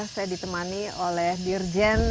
saya ditemani oleh dirjen